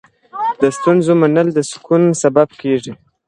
د ستونزو منل د سکون سبب کېږي.